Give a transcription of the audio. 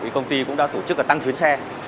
công ty cũng đã tổ chức tăng chuyến xe